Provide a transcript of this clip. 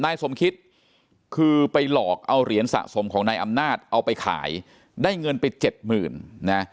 นายสมคิดคือไปหลอกเอาเหรียญสะสมของนายอำนาจเอาไปขายได้เงินไปเจ็ดหมื่นนะ